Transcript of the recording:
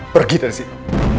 pergi dari sini